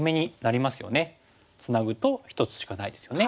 ツナぐと１つしかないですよね。